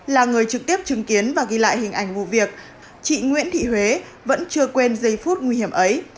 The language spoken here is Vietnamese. là người trực tiếp chứng kiến và ghi lại hình ảnh vụ việc chị nguyễn thị huế vẫn chưa quên giây phút nguy hiểm ấy